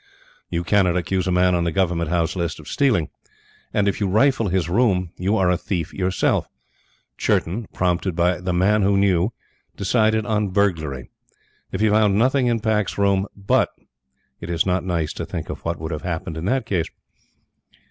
You cannot accuse a man on the Government House List of stealing. And if you rifle his room you are a thief yourself. Churton, prompted by The Man who Knew, decided on burglary. If he found nothing in Pack's room.... but it is not nice to think of what would have happened in that case.